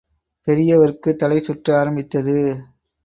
பெரியவருக்குத் தலை சுற்ற ஆரம்பித்தது.